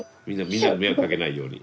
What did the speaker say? みんなに迷惑かけないように。